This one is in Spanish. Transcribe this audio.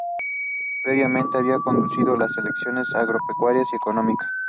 Previamente, había conducido las secciones Agropecuaria y Económica.